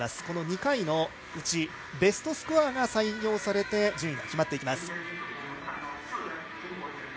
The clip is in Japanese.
この２回のうちベストスコアが採用されて順位が決まっていきます。